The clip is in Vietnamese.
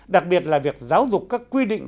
đặc biệt là việc giáo dục các quy định